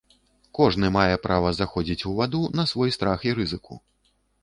Кожны мае права заходзіць у ваду на свой страх і рызыку.